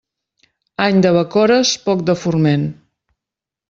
Any de bacores, poc de forment.